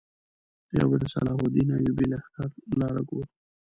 یو به د سلطان صلاح الدین ایوبي لښکرو لاره ګورو.